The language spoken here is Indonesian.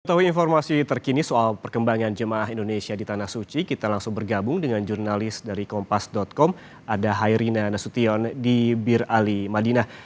mengetahui informasi terkini soal perkembangan jemaah indonesia di tanah suci kita langsung bergabung dengan jurnalis dari kompas com ada hairina nasution di bir ali madinah